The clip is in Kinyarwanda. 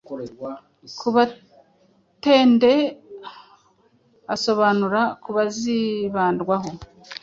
Kabatende asobanura ku bazibandwaho